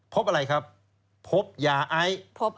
พบอะไรครับพบยาไอ